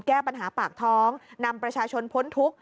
แก้ปัญหาปากท้องนำประชาชนพ้นทุกข์